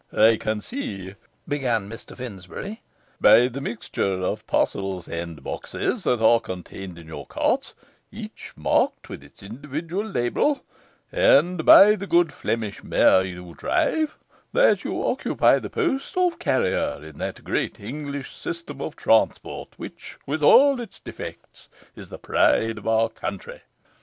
'I can see,' began Mr Finsbury, 'by the mixture of parcels and boxes that are contained in your cart, each marked with its individual label, and by the good Flemish mare you drive, that you occupy the post of carrier in that great English system of transport which, with all its defects, is the pride of our country.